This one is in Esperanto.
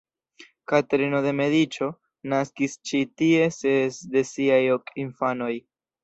Katerino de Mediĉo naskis ĉi tie ses de siaj ok infanoj.